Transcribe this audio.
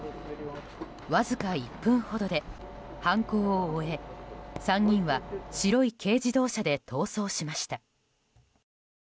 わずか１分ほどで犯行を終え３人は白い軽自動車で逃走しました。